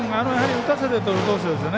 打たせてとる投手ですね。